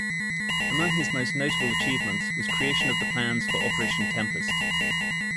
Among his most notable achievements was creation of the plans for Operation Tempest.